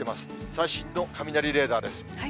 最新の雷レーダーです。